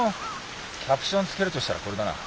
キャプション付けるとしたらこれだな。